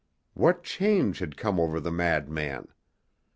What change had come over the madman?